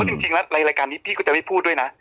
จริงแล้วในรายการนี้พี่ก็จะไม่พูดด้วยนะ